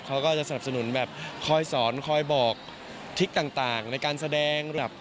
เขาก็จะสนับสนุนแบบคอยสอนคอยบอกทิศต่างในการแสดงแบบ